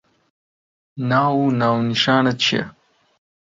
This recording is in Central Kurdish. ناو و ناونیشانت چییە؟